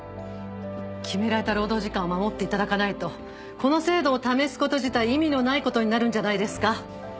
決められた労働時間を守っていただかないとこの制度を試すこと自体意味のないことになるんじゃないですか？